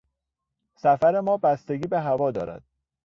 سفر ما بستگی به هوا دارد.